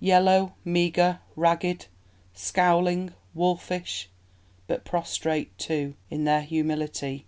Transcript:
Yellow, meagre, ragged, scowling, wolfish; but prostrate, too, in their humility.